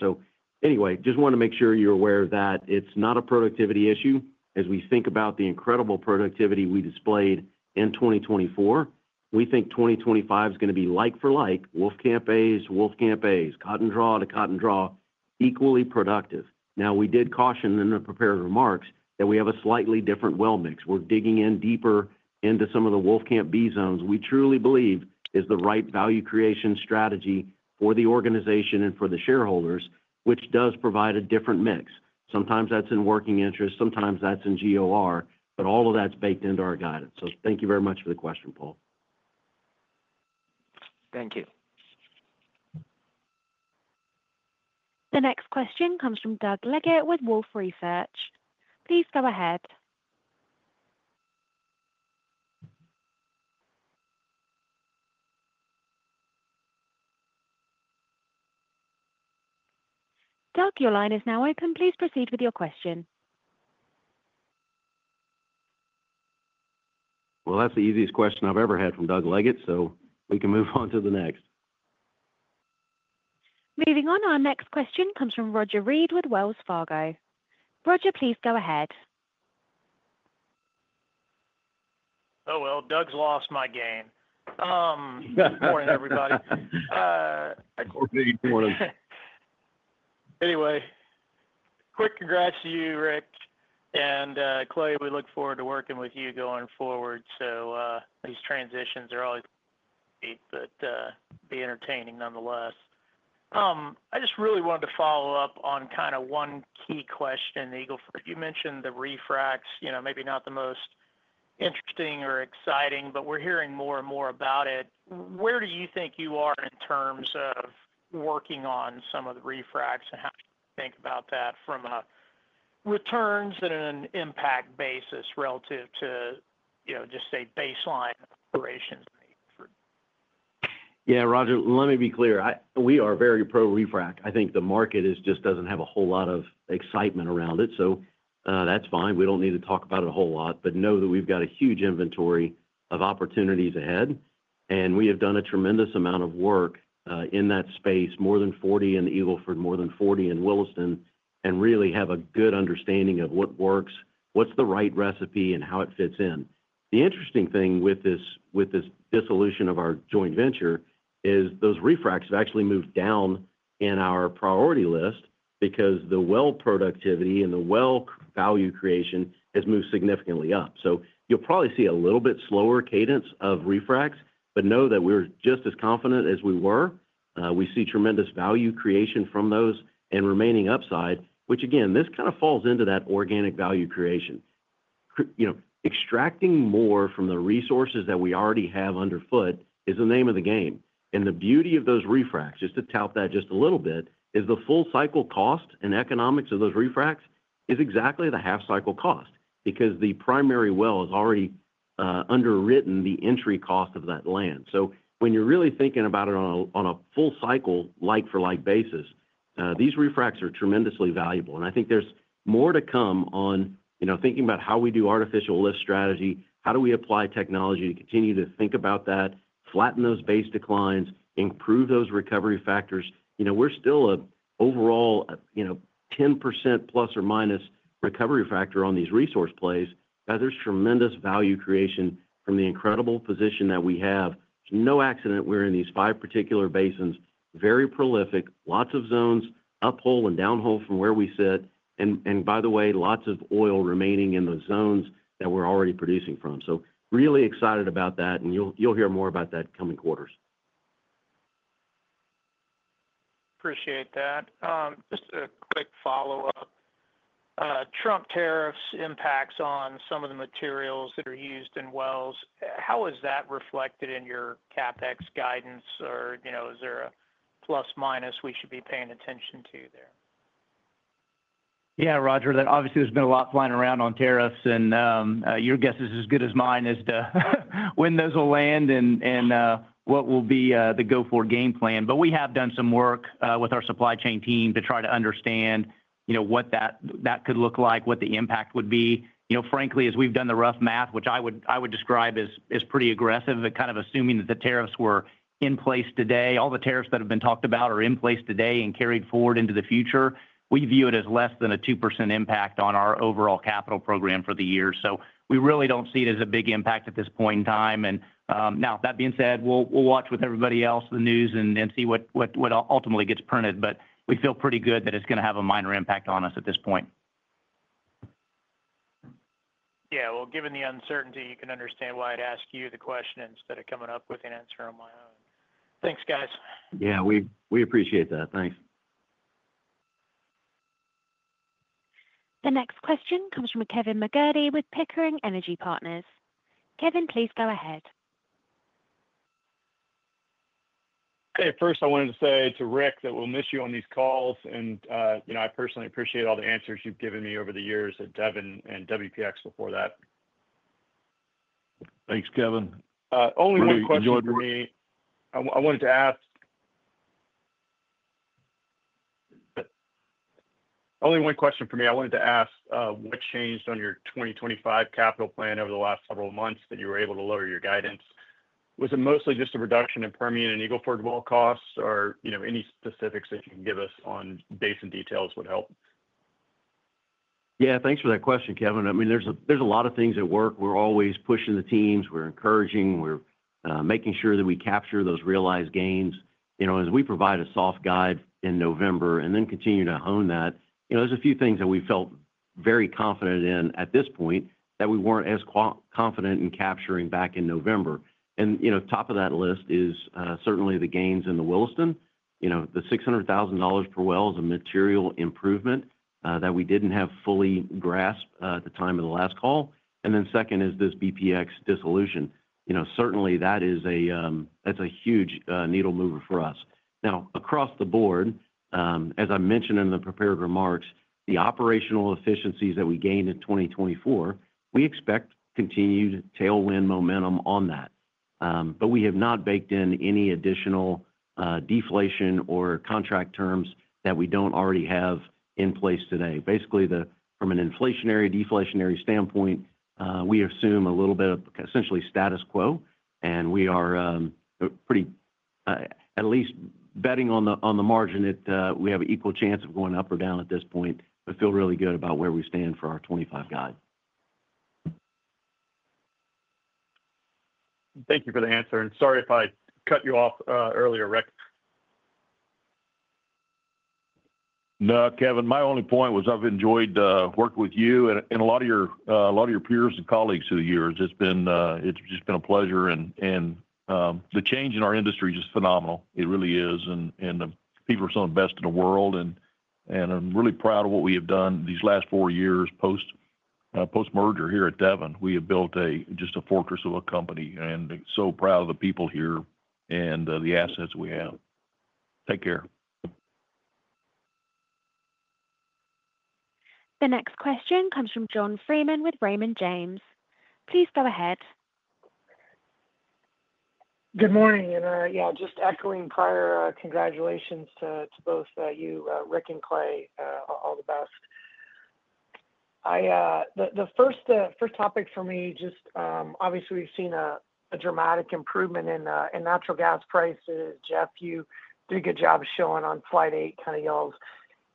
Anyway, just wanted to make sure you're aware that it's not a productivity issue. As we think about the incredible productivity we displayed in 2024, we think 2025 is going to be like for like, Wolfcamp A's Wolfcamp A's, Cotton Draw to Cotton Draw, equally productive. Now, we did caution in the prepared remarks that we have a slightly different well mix. We're digging in deeper into some of the Wolfcamp B zones we truly believe is the right value creation strategy for the organization and for the shareholders, which does provide a different mix. Sometimes that's in working interest. Sometimes that's in GOR. But all of that's baked into our guidance. So thank you very much for the question, Paul.
Thank you.
The next question comes from Doug Leggate with Wolfe Research. Please go ahead. Doug, your line is now open. Please proceed with your question.
Well, that's the easiest question I've ever had from Doug Leggate. So we can move on to the next.
Moving on, our next question comes from Roger Read with Wells Fargo. Roger, please go ahead.
Oh, well, Doug's lost my game. Good morning, everybody. Anyway, quick congrats to you, Rick. And Clay, we look forward to working with you going forward. So these transitions are always great, but be entertaining nonetheless. I just really wanted to follow up on kind of one key question. You mentioned the refracts, maybe not the most interesting or exciting, but we're hearing more and more about it. Where do you think you are in terms of working on some of the refracts and how you think about that from a returns and an impact basis relative to just, say, baseline operations?
Yeah, Roger, let me be clear. We are very pro refract. I think the market just doesn't have a whole lot of excitement around it. So that's fine. We don't need to talk about it a whole lot, but know that we've got a huge inventory of opportunities ahead. And we have done a tremendous amount of work in that space, more than 40 in Eagle Ford, more than 40 in Williston, and really have a good understanding of what works, what's the right recipe, and how it fits in. The interesting thing with this dissolution of our joint venture is those refracts have actually moved down in our priority list because the well productivity and the well value creation has moved significantly up. So you'll probably see a little bit slower cadence of refracts, but know that we're just as confident as we were. We see tremendous value creation from those and remaining upside, which again, this kind of falls into that organic value creation. Extracting more from the resources that we already have underfoot is the name of the game. The beauty of those re-fracts, just to tout that just a little bit, is the full cycle cost and economics of those re-fracts is exactly the half cycle cost because the primary well is already underwritten the entry cost of that land. So when you're really thinking about it on a full cycle like for like basis, these re-fracts are tremendously valuable. I think there's more to come on thinking about how we do artificial lift strategy, how do we apply technology to continue to think about that, flatten those base declines, improve those recovery factors. We're still an overall 10% plus or minus recovery factor on these resource plays. There's tremendous value creation from the incredible position that we have. It's no accident we're in these five particular basins, very prolific, lots of zones, uphill and downhill from where we sit, and by the way, lots of oil remaining in the zones that we're already producing from, so really excited about that, and you'll hear more about that coming quarters.
Appreciate that. Just a quick follow-up. Trump tariffs' impacts on some of the materials that are used in wells. How is that reflected in your CapEx guidance? Or is there a plus minus we should be paying attention to there?
Yeah, Roger, obviously there's been a lot flying around on tariffs. And your guess is as good as mine as to when those will land and what will be the go-forward game plan. But we have done some work with our supply chain team to try to understand what that could look like, what the impact would be. Frankly, as we've done the rough math, which I would describe as pretty aggressive, kind of assuming that the tariffs were in place today, all the tariffs that have been talked about are in place today and carried forward into the future. We view it as less than a 2% impact on our overall capital program for the year. So we really don't see it as a big impact at this point in time. And now, that being said, we'll watch with everybody else the news and see what ultimately gets printed. But we feel pretty good that it's going to have a minor impact on us at this point.
Yeah, well, given the uncertainty, you can understand why I'd ask you the question instead of coming up with an answer on my own. Thanks, guys.
Yeah, we appreciate that. Thanks.
The next question comes from Kevin MacCurdy with Pickering Energy Partners. Kevin, please go ahead.
Okay, first I wanted to say to Rick that we'll miss you on these calls, and I personally appreciate all the answers you've given me over the years at Devon and WPX before that.
Thanks, Kevin.
Only one question for me. I wanted to ask what changed on your 2025 capital plan over the last several months that you were able to lower your guidance? Was it mostly just a reduction in Permian and Eagle Ford well costs or any specifics that you can give us on basin details would help?
Yeah, thanks for that question, Kevin. I mean, there's a lot of things at work. We're always pushing the teams. We're encouraging. We're making sure that we capture those realized gains as we provide a soft guide in November and then continue to hone that. There's a few things that we felt very confident in at this point that we weren't as confident in capturing back in November. And top of that list is certainly the gains in the Williston. The $600,000 per well is a material improvement that we didn't have fully grasped at the time of the last call. And then second is this BPX dissolution. Certainly, that's a huge needle mover for us. Now, across the board, as I mentioned in the prepared remarks, the operational efficiencies that we gained in 2024, we expect continued tailwind momentum on that. But we have not baked in any additional deflation or contract terms that we don't already have in place today. Basically, from an inflationary-deflationary standpoint, we assume a little bit of essentially status quo. And we are pretty at least betting on the margin that we have an equal chance of going up or down at this point. I feel really good about where we stand for our 2025 guide.
Thank you for the answer, and sorry if I cut you off earlier, Rick.
No, Kevin, my only point was I've enjoyed work with you and a lot of your peers and colleagues through the years. It's just been a pleasure. And the change in our industry is just phenomenal. It really is. And the people are some of the best in the world. And I'm really proud of what we have done these last four years post-merger here at Devon. We have built just a fortress of a company. And so proud of the people here and the assets we have. Take care.
The next question comes from John Freeman with Raymond James. Please go ahead.
Good morning. And yeah, just echoing prior congratulations to both you, Rick and Clay, all the best. The first topic for me, just obviously, we've seen a dramatic improvement in natural gas prices. Jeff, you did a good job showing on slide eight kind of yields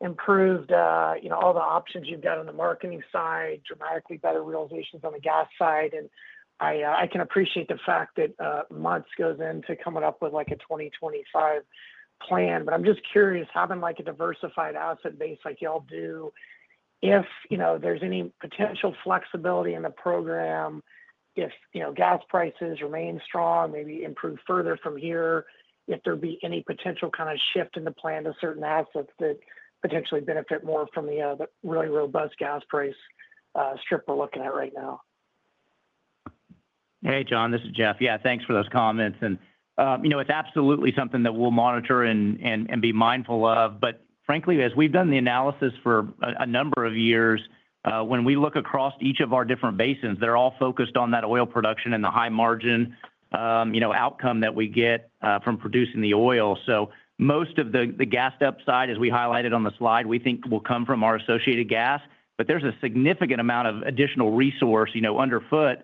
improved all the options you've got on the marketing side, dramatically better realizations on the gas side. And I can appreciate the fact that months go into coming up with a 2025 plan. But I'm just curious, having a diversified asset base like y'all do, if there's any potential flexibility in the program, if gas prices remain strong, maybe improve further from here, if there be any potential kind of shift in the plan to certain assets that potentially benefit more from the really robust gas price strip we're looking at right now.
Hey, John, this is Jeff. Yeah, thanks for those comments. And it's absolutely something that we'll monitor and be mindful of. But frankly, as we've done the analysis for a number of years, when we look across each of our different basins, they're all focused on that oil production and the high margin outcome that we get from producing the oil. So most of the gas upside, as we highlighted on the slide, we think will come from our associated gas. But there's a significant amount of additional resource underfoot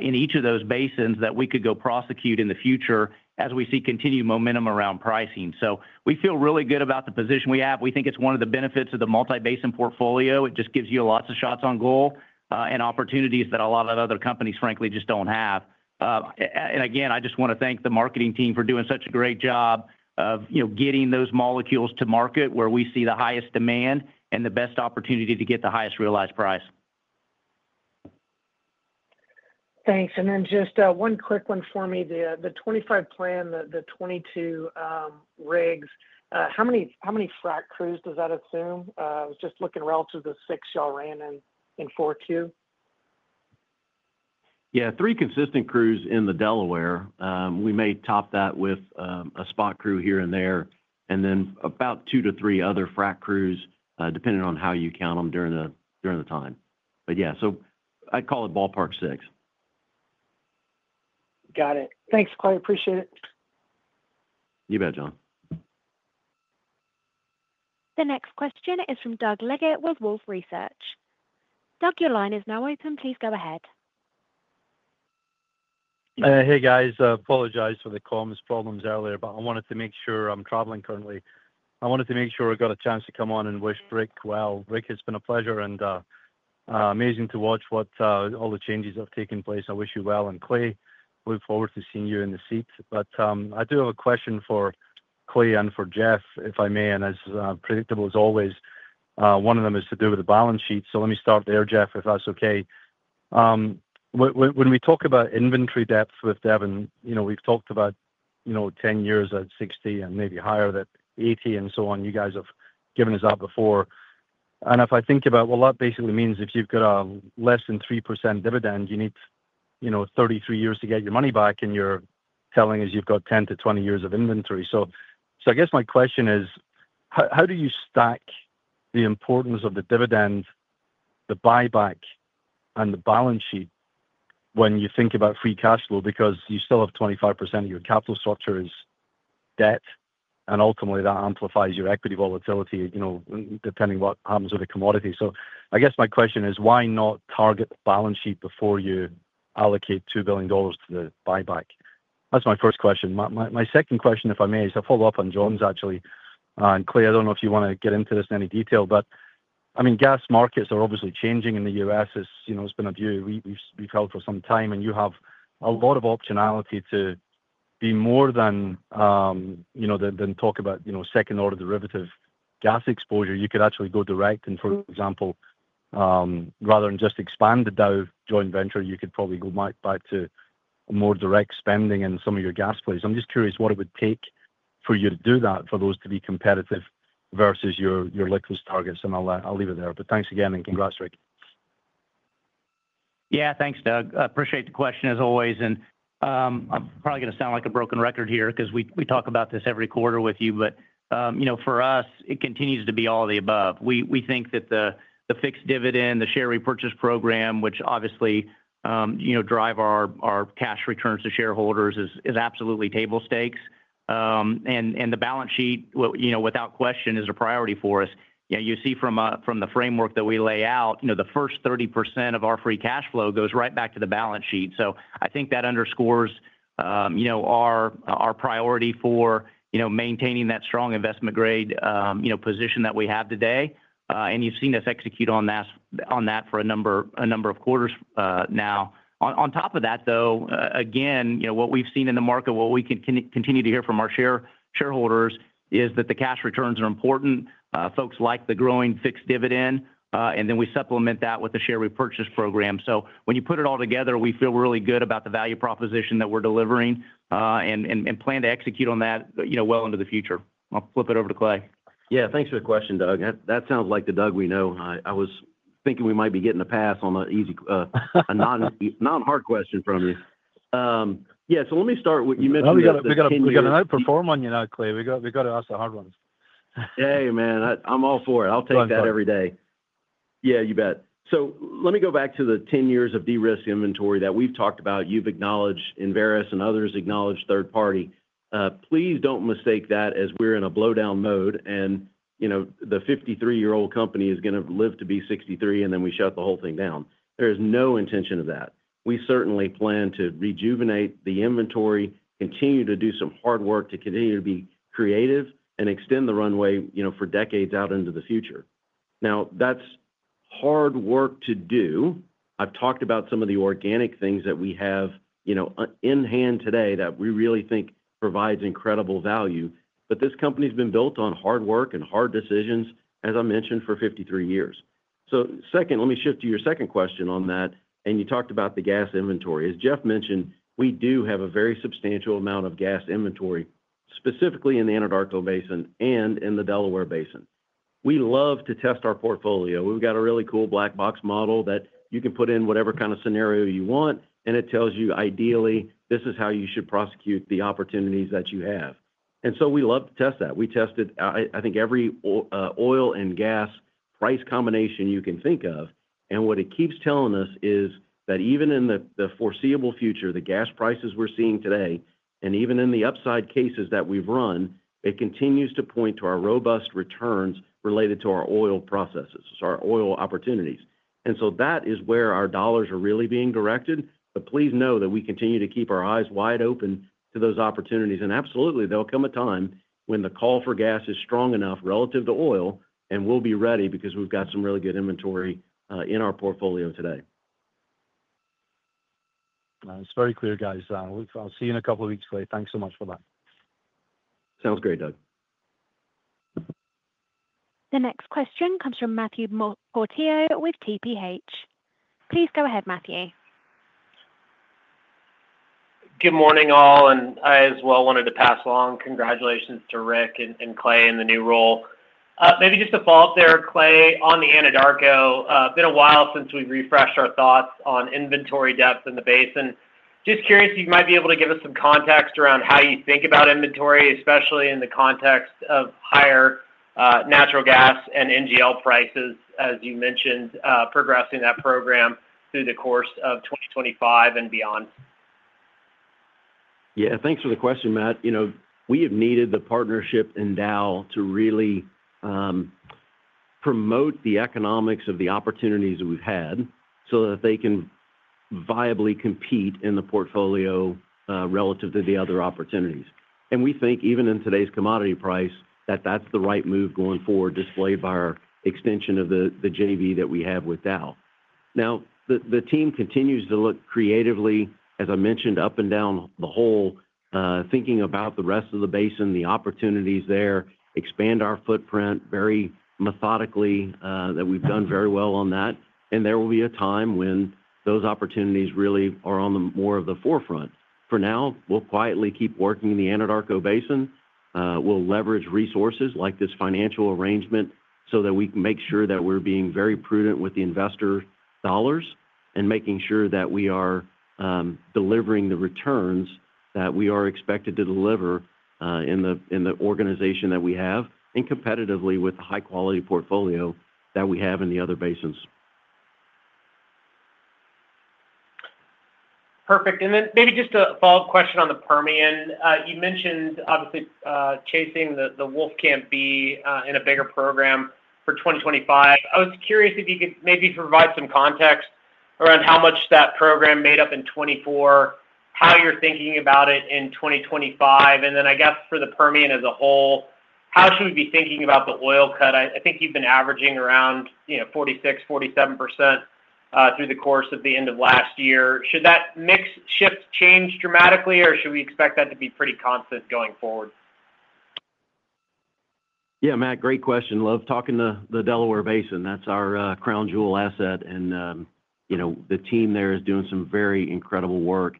in each of those basins that we could go prosecute in the future as we see continued momentum around pricing. So we feel really good about the position we have. We think it's one of the benefits of the multi-basin portfolio. It just gives you lots of shots on goal and opportunities that a lot of other companies, frankly, just don't have. And again, I just want to thank the marketing team for doing such a great job of getting those molecules to market where we see the highest demand and the best opportunity to get the highest realized price.
Thanks. And then just one quick one for me. The 2025 plan, the 22 rigs, how many frac crews does that assume? I was just looking relative to the six y'all ran in 4Q?
Yeah, three consistent crews in the Delaware. We may top that with a spot crew here and there, and then about two to three other frac crews, depending on how you count them during the time. But yeah, so I'd call it ballpark six.
Got it. Thanks, Clay. Appreciate it.
You bet, John.
The next question is from Doug Leggate with Wolfe Research. Doug, your line is now open. Please go ahead.
Hey, guys. Apologize for the comms problems earlier, but I wanted to make sure I'm traveling currently. I wanted to make sure I got a chance to come on and wish Rick well. Rick, it's been a pleasure and amazing to watch what all the changes have taken place. I wish you well and Clay. Look forward to seeing you in the seat, but I do have a question for Clay and for Jeff, if I may, and as predictable as always, one of them is to do with the balance sheet, so let me start there, Jeff, if that's okay. When we talk about inventory depth with Devon, we've talked about 10 years at $60 and maybe higher, that $80 and so on. You guys have given us that before. And if I think about, well, that basically means if you've got a less than 3% dividend, you need 33 years to get your money back, and you're telling us you've got 10-20 years of inventory. So I guess my question is, how do you stack the importance of the dividend, the buyback, and the balance sheet when you think about free cash flow? Because you still have 25% of your capital structure is debt, and ultimately that amplifies your equity volatility depending on what happens with the commodity. So I guess my question is, why not target the balance sheet before you allocate $2 billion to the buyback? That's my first question. My second question, if I may, is I'll follow up on John's, actually. Clay, I don't know if you want to get into this in any detail, but I mean, gas markets are obviously changing in the U.S. It's been a view we've held for some time, and you have a lot of optionality to be more than talk about second-order derivative gas exposure. You could actually go direct, for example, rather than just expand the Dow joint venture, you could probably go back to more direct spending in some of your gas plays. I'm just curious what it would take for you to do that for those to be competitive versus your liquid targets. I'll leave it there. Thanks again, and congrats, Rick.
Yeah, thanks, Doug. Appreciate the question as always. And I'm probably going to sound like a broken record here because we talk about this every quarter with you. But for us, it continues to be all of the above. We think that the fixed dividend, the share repurchase program, which obviously drives our cash returns to shareholders, is absolutely table stakes. And the balance sheet, without question, is a priority for us. You see from the framework that we lay out, the first 30% of our free cash flow goes right back to the balance sheet. So I think that underscores our priority for maintaining that strong investment-grade position that we have today. And you've seen us execute on that for a number of quarters now. On top of that, though, again, what we've seen in the market, what we can continue to hear from our shareholders, is that the cash returns are important. Folks like the growing fixed dividend. And then we supplement that with the share repurchase program. So when you put it all together, we feel really good about the value proposition that we're delivering and plan to execute on that well into the future. I'll flip it over to Clay.
Yeah, thanks for the question, Doug. That sounds like the Doug we know. I was thinking we might be getting a pass on an easy, non-hard question from you. Yeah, so let me start with what you mentioned in your opinion.
We've got to perform on you now, Clay. We've got to ask the hard ones.
Hey, man. I'm all for it. I'll take that every day.
Yeah, you bet.
So let me go back to the 10 years of de-risk inventory that we've talked about. You've acknowledged Enverus and others acknowledged third party. Please don't mistake that as we're in a blowdown mode and the 53-year-old company is going to live to be 63 and then we shut the whole thing down. There is no intention of that. We certainly plan to rejuvenate the inventory, continue to do some hard work to continue to be creative, and extend the runway for decades out into the future. Now, that's hard work to do. I've talked about some of the organic things that we have in hand today that we really think provides incredible value. But this company has been built on hard work and hard decisions, as I mentioned, for 53 years. Second, let me shift to your second question on that. You talked about the gas inventory. As Jeff mentioned, we do have a very substantial amount of gas inventory, specifically in the Anadarko Basin and in the Delaware Basin. We love to test our portfolio. We've got a really cool black box model that you can put in whatever kind of scenario you want, and it tells you ideally, this is how you should prosecute the opportunities that you have. We love to test that. We tested, I think, every oil and gas price combination you can think of. What it keeps telling us is that even in the foreseeable future, the gas prices we're seeing today, and even in the upside cases that we've run, it continues to point to our robust returns related to our oil processes, our oil opportunities. And so that is where our dollars are really being directed. But please know that we continue to keep our eyes wide open to those opportunities. And absolutely, there'll come a time when the call for gas is strong enough relative to oil, and we'll be ready because we've got some really good inventory in our portfolio today.
It's very clear, guys. I'll see you in a couple of weeks, Clay. Thanks so much for that.
Sounds great, Doug.
The next question comes from Matthew Portillo with TPH. Please go ahead, Matthew.
Good morning, all, and I as well wanted to pass along congratulations to Rick and Clay in the new role. Maybe just to follow up there, Clay, on the Anadarko, it's been a while since we've refreshed our thoughts on inventory depth in the basin. Just curious if you might be able to give us some context around how you think about inventory, especially in the context of higher natural gas and NGL prices, as you mentioned, progressing that program through the course of 2025 and beyond.
Yeah, thanks for the question, Matt. We have needed the partnership in Dow to really promote the economics of the opportunities that we've had so that they can viably compete in the portfolio relative to the other opportunities. And we think even in today's commodity price that that's the right move going forward displayed by our extension of the JV that we have with Dow. Now, the team continues to look creatively, as I mentioned, up and down the hole, thinking about the rest of the basin, the opportunities there, expand our footprint very methodically that we've done very well on that. And there will be a time when those opportunities really are on more of the forefront. For now, we'll quietly keep working in the Anadarko Basin. We'll leverage resources like this financial arrangement so that we can make sure that we're being very prudent with the investor dollars and making sure that we are delivering the returns that we are expected to deliver in the organization that we have and competitively with the high-quality portfolio that we have in the other basins.
Perfect. And then maybe just a follow-up question on the Permian. You mentioned obviously chasing the Wolfcamp B in a bigger program for 2025. I was curious if you could maybe provide some context around how much that program made up in 2024, how you're thinking about it in 2025. And then I guess for the Permian as a whole, how should we be thinking about the oil cut? I think you've been averaging around 46%-47% through the course of the end of last year. Should that mix shift change dramatically, or should we expect that to be pretty constant going forward?
Yeah, Matt, great question. Love talking to the Delaware Basin. That's our crown jewel asset. And the team there is doing some very incredible work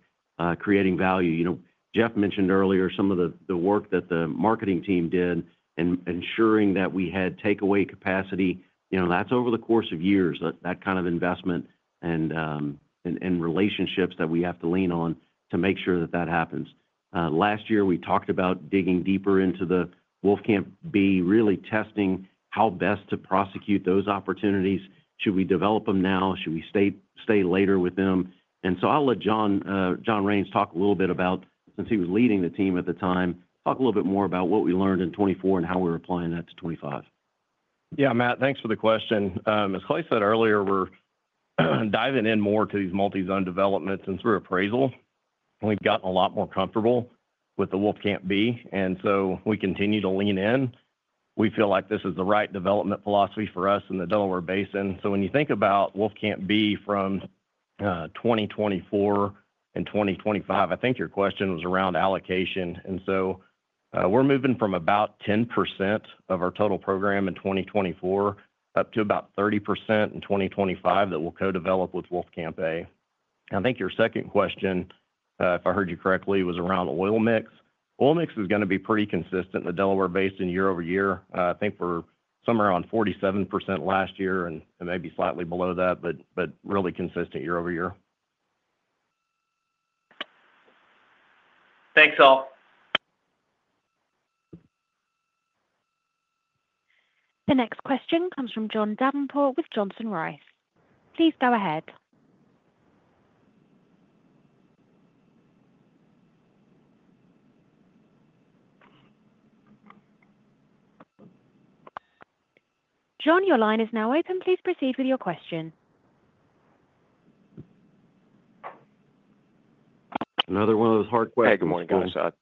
creating value. Jeff mentioned earlier some of the work that the marketing team did and ensuring that we had takeaway capacity. That's over the course of years, that kind of investment and relationships that we have to lean on to make sure that that happens. Last year, we talked about digging deeper into the Wolfcamp B, really testing how best to prosecute those opportunities. Should we develop them now? Should we stay later with them? And so I'll let John Raines talk a little bit about, since he was leading the team at the time, talk a little bit more about what we learned in 2024 and how we're applying that to 2025.
Yeah, Matt, thanks for the question. As Clay said earlier, we're diving in more to these multi-zone developments and through appraisal. We've gotten a lot more comfortable with the Wolfcamp B, and so we continue to lean in. We feel like this is the right development philosophy for us in the Delaware Basin. So when you think about Wolfcamp B from 2024 and 2025, I think your question was around allocation. And so we're moving from about 10% of our total program in 2024 up to about 30% in 2025 that we'll co-develop with Wolfcamp A. And I think your second question, if I heard you correctly, was around oil mix. Oil mix is going to be pretty consistent in the Delaware Basin year-over-year. I think we're somewhere around 47% last year and maybe slightly below that, but really consistent year-over-year.
Thanks all.
The next question comes from John Davenport with Johnson Rice. Please go ahead. John, your line is now open. Please proceed with your question.
Another one of those hard questions.
Hey, good morning, guys.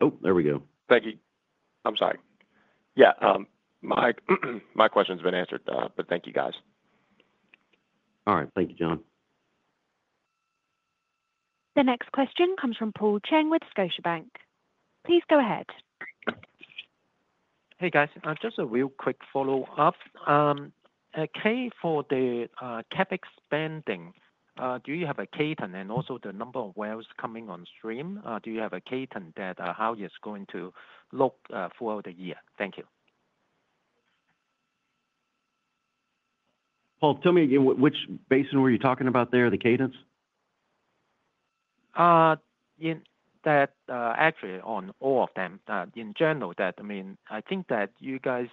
Oh, there we go.
Thank you. I'm sorry. Yeah, my question's been answered, but thank you, guys.
All right. Thank you, John.
The next question comes from Paul Cheng with Scotiabank. Please go ahead.
Hey, guys. Just a real quick follow-up. Okay, for the CapEx spending, do you have a cadence and also the number of wells coming on stream? Do you have a cadence as to how it's going to look for the year? Thank you.
Paul, tell me again, which basin were you talking about there, the cadence?
Actually, on all of them, in general, I mean, I think that you guys,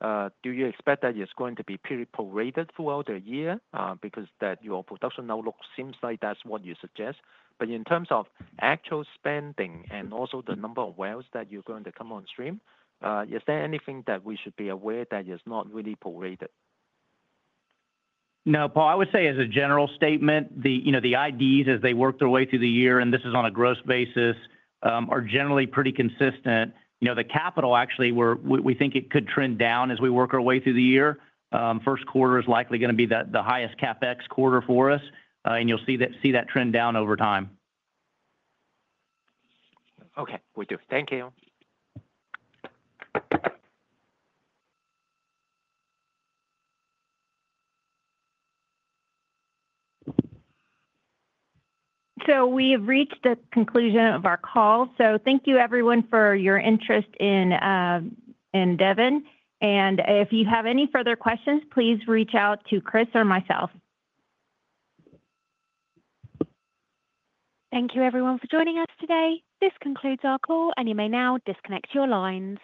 do you expect that it's going to be pretty prorated throughout the year because your production outlook seems like that's what you suggest? But in terms of actual spending and also the number of wells that you're going to come on stream, is there anything that we should be aware that is not really prorated?
No, Paul, I would say as a general statement, the IDs, as they work their way through the year, and this is on a gross basis, are generally pretty consistent. The capital, actually, we think it could trend down as we work our way through the year. First quarter is likely going to be the highest CapEx quarter for us, and you'll see that trend down over time.
Okay, we do. Thank you.
So we have reached the conclusion of our call. So thank you, everyone, for your interest in Devon. And if you have any further questions, please reach out to Chris or myself.
Thank you, everyone, for joining us today. This concludes our call, and you may now disconnect your lines.